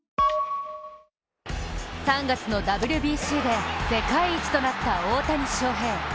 ３月のＷＢＣで世界一となった大谷翔平。